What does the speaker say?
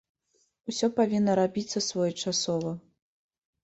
Усё павінна рабіцца своечасова.